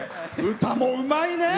歌もうまいね！